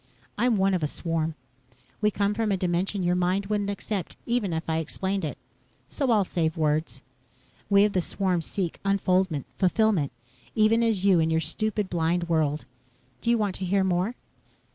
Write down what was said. I'm one of a swarm. We come from a dimension your mind wouldn't accept even if I explained it, so I'll save words. We of the swarm seek unfoldment fulfillment even as you in your stupid, blind world. Do you want to hear more?"